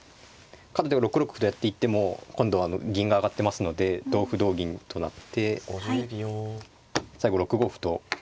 かといって６六歩とやっていっても今度は銀が上がってますので同歩と同銀となって最後６五歩と。